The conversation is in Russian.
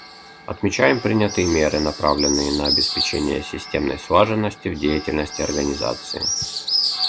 Отмечаем принятые меры, направленные на обеспечение системной слаженности в деятельности Организации.